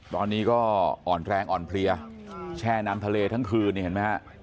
ตอนนี้ก็อ่อนแรงอ่อนเพลียแช่น้ำทะเลทั้งคืนนี่เห็นไหมฮะ